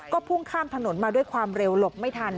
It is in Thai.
ก็พุ่งข้ามถนนมาด้วยความเร็วหลบไม่ทัน